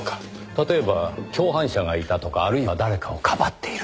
例えば共犯者がいたとかあるいは誰かをかばっているとか。